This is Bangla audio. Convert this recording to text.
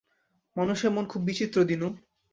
মানুষের মন খুব বিচিত্র দিনু।